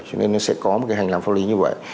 cho nên nó sẽ có một cái hành lang pháp lý như vậy